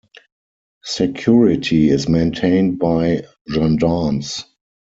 Security is maintained by gendarmes.